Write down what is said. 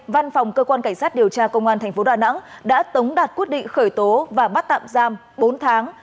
văn phòng cơ quan cảnh sát điều tra công an tp đà nẵng đã tống đạt quyết định khởi tố và bắt tạm giam bốn tháng